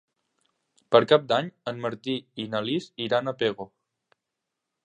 Per Cap d'Any en Martí i na Lis iran a Pego.